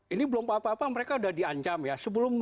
ini belum apa apa mereka sudah diancam ya